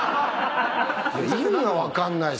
意味が分かんないっすよ